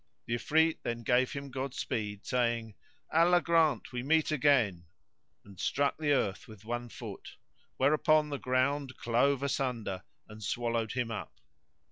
The Ifrit then gave him Godspeed, saying, Allah grant we meet again;"[FN#104] and struck the earth with one foot, whereupon the ground clove asunder and swallowed him up.